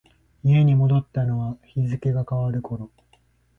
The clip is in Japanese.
家に戻ったのは日付が変わる頃。